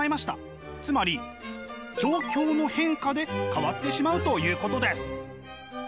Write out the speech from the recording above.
つまり状況の変化で変わってしまうということです。